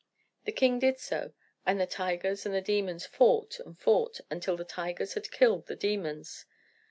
The king did so, and the tigers and the demons fought and fought until the tigers had killed the demons.